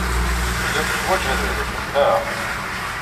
Telliḍ teḥwajeḍ idrimen, naɣ?